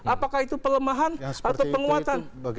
apakah itu pelemahan atau penguatan